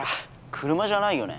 車じゃないよね。